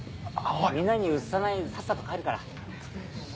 みんなにうつさないようにさっさと帰るから。